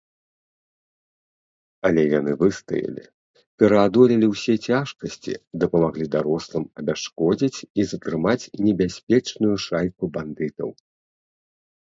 Але яны выстаялі, пераадолелі ўсе цяжкасці, дапамаглі дарослым абясшкодзіць і затрымаць небяспечную шайку бандытаў.